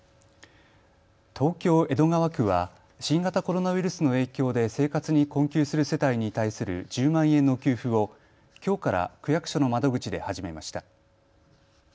東京江戸川区は新型コロナウイルスの影響で生活に困窮する世帯に対する１０万円の給付をきょうから区役所の窓口で始めました。